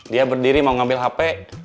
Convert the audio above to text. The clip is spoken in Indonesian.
dia berdiri mau ngambil hp